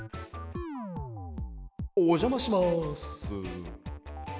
おじゃまします。